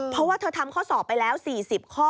เพราะว่าเธอทำข้อสอบไปแล้ว๔๐ข้อ